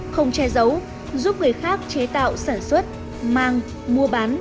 không che giấu giúp người khác chế tạo sản xuất mang mua bán